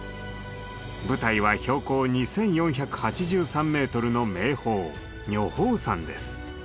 舞台は標高２，４８３メートルの名峰女峰山です。